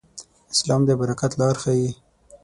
اسلام د برکت لار ښيي.